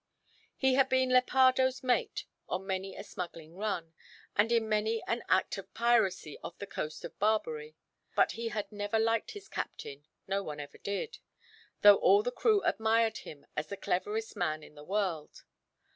He had been Lepardo's mate, on many a smuggling run, and in many an act of piracy off the coast of Barbary. But he had never liked his captain, no one ever did; though all the crew admired him as the cleverest man in the world.